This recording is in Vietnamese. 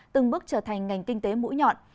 từng bước trở thành ngành kinh tế mũi nhọn